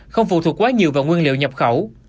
không phụ thuộc quá nhiều vào nguyên liệu nhập khẩu